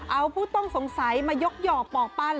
เอาผู้ต้องสงสัยมายกหยอกปอกปั้น